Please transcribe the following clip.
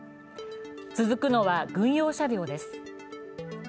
続くのは軍用車両です。